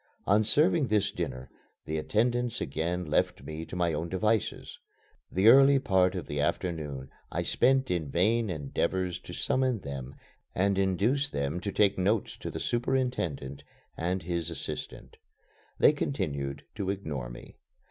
On serving this dinner, the attendants again left me to my own devices. The early part of the afternoon I spent in vain endeavors to summon them and induce them to take notes to the superintendent and his assistant. They continued to ignore me.